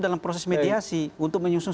dalam proses mediasi untuk menyusun